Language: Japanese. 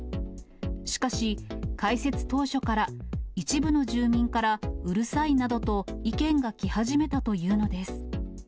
しかし、開設当初から、一部の住民から、うるさいなどと意見が来始めたというのです。